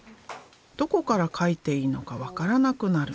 どこから描いていいのか分からなくなる。